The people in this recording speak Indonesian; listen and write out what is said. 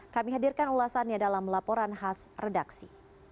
kami hadirkan ulasannya dalam laporan khas redaksi